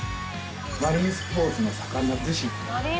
マリンスポーツの盛んな逗子。